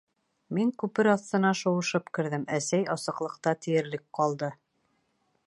Мин күпер аҫтына шыуышып керҙем, әсәй асыҡлыҡта тиерлек ҡалды.